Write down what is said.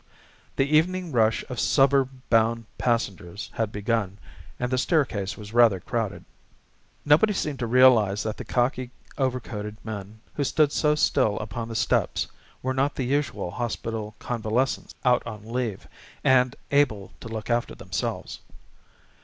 The evening rush of suburb bound passengers had begun and the staircase was rather crowded. Nobody seemed to realise that the khaki overcoated men who stood so still upon the steps were not the usual hospital convalescents out on leave and able to look after themselves.